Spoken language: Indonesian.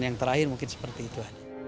dan yang terakhir mungkin seperti itu